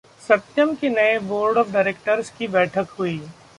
सत्यम की नये board of directors की बैठक हुई